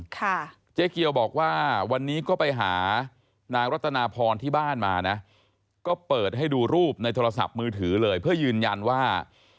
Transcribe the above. เจ๊เกียวบอกว่าวันนี้ก็ไปหานางรัตนาพรที่บ้านมานะก็เปิดให้ดูรูปในโทรศัพท์มือถือเลยเพื่อยืนยันว่า